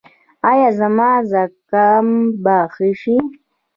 ایا زما زکام به ښه شي؟